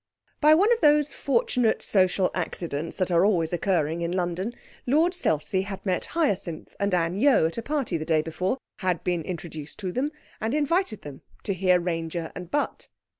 By one of those fortunate social accidents that are always occurring in London, Lord Selsey had met Hyacinth and Anne Yeo at a party the day before, had been introduced to them, and invited them to hear Ranger and Butt.